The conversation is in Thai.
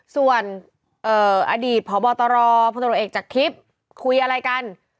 ส่วนอดีตพอบตพตเอกจากทริปคุยอะไรกัน